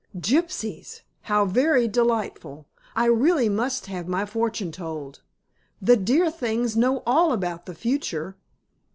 "Gypsies! How very delightful! I really must have my fortune told. The dear things know all about the future."